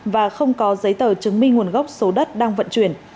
và không có giấy tờ chứng minh nguồn gốc số đất đang vận chuyển